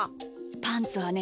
パンツはね